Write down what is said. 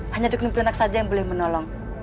hanya dukuni perenak saja yang boleh menolong